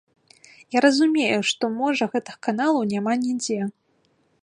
Я разумею, што, можа, гэтых каналаў няма нідзе.